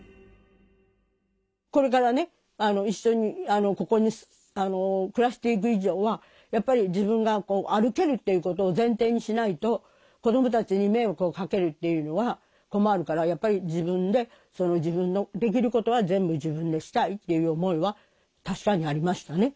これからね一緒にここに暮らしていく以上はやっぱり自分が歩けるっていうことを前提にしないと子供たちに迷惑をかけるっていうのは困るからやっぱり自分で自分のできることは全部自分でしたいっていう思いは確かにありましたね。